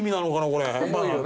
これ。